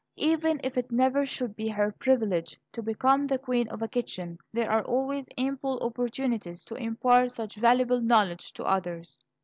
Even if it never should be her privilege to become the queen of a kitchen, there are always ample opportunities to impart such valuable knowledge to others.